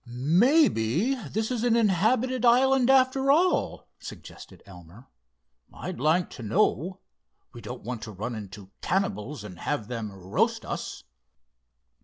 "Maybe this is an inhabited island after all," suggested Elmer. "I'd like to know. We don't want to run into cannibals and have them roast us."